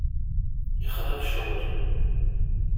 Yexḍa-k ccɣel.